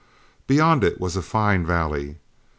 Beyond it was a fine valley.